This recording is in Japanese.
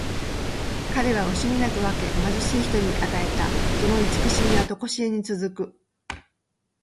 彼は惜しみなく分け、貧しい人に与えた。その慈しみはとこしえに続く。